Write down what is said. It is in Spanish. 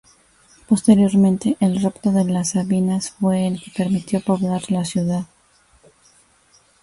Posteriormente, el rapto de las Sabinas fue el que permitió poblar la ciudad.